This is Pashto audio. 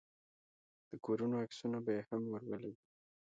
د کورونو عکسونه به يې هم ورولېږم.